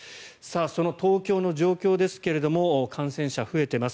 その東京の状況ですが感染者、増えてます。